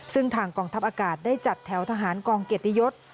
ซึ่งทางกองทัพอากาศได้จัดแถวทหารกองเกียรติยศ